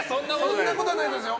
そんなことないですよ。